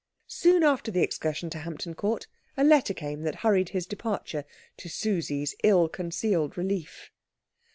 Soon after the excursion to Hampton Court a letter came that hurried his departure, to Susie's ill concealed relief.